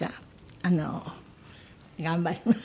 あの頑張ります。